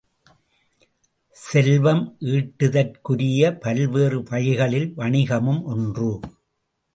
செல்வம் ஈட்டுதற்குரிய பல்வேறு வழிகளில் வாணிகமும் ஒன்று.